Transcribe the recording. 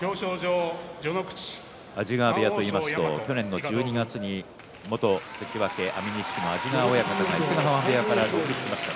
安治川部屋といいますと去年の１２月に元関脇安美錦の安治川親方が伊勢ヶ濱部屋から独立しました。